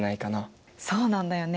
そうなんだよね。